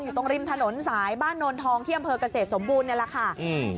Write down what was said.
ตรงริมถนนสายบ้านโนนทองที่อำเภอกเกษตรสมบูรณ์นี่แหละค่ะอืม